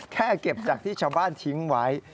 แค่เก็บจากที่ชาวบ้านทิ้งไว้